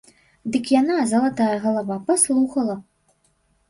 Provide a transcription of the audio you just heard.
Дык яна, залатая галава, паслухала.